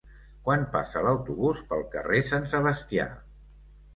Quan passa l'autobús pel carrer Sant Sebastià?